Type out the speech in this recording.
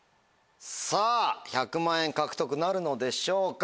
さぁ１００万円獲得なるのでしょうか？